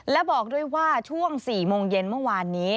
และบอกด้วยว่าช่วง๔โมงเย็นเมื่อวานนี้